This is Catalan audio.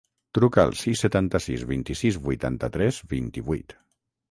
Truca al sis, setanta-sis, vint-i-sis, vuitanta-tres, vint-i-vuit.